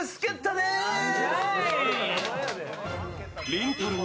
りんたろー